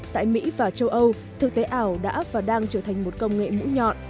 tại mỹ và châu âu thực tế ảo đã và đang trở thành một công nghệ mũi nhọn